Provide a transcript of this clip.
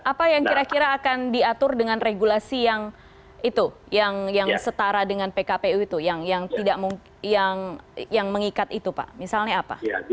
apa yang kira kira akan diatur dengan regulasi yang setara dengan pkpu itu yang mengikat itu pak misalnya apa